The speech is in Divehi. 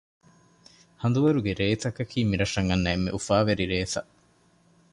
ހަނދުވަރުގެ ރޭތަކަކީ މިރަށަށް އަންނަ އެންމެ އުފާވެރި ރޭތައް